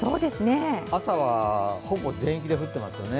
朝はほぼ全域で降っていますね。